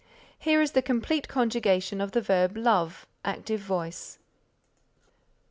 Here is the complete conjugation of the verb "Love" Active Voice.